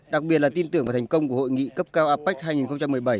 đặc biệt là tin tưởng vào thành công của hội nghị cấp cao apec hai nghìn một mươi bảy